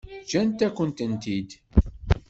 Ǧǧant-akent-ten-id?